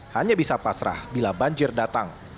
hanya bisa pasrah bila banjir datang